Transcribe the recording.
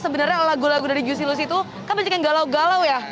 sebenarnya lagu lagu dari juicy luse itu kan banyak yang galau galau ya